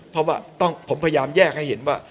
เพราะว่าผมพยายามแยกให้เห็นว่า